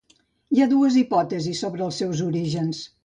Hi ha dues hipòtesis sobre els seus orígens.